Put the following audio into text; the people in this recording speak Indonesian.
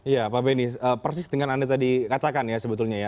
ya pak benny persis dengan anda tadi katakan ya sebetulnya ya